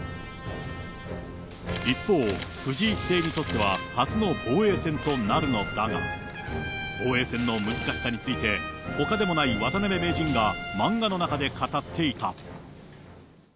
一方、藤井棋聖にとっては初の防衛戦となるのだが、防衛戦の難しさについて、ほかでもない渡辺名人が漫画の中で語っていた。